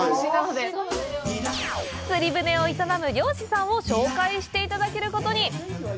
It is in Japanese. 釣船を営む漁師さんを紹介していただけることに！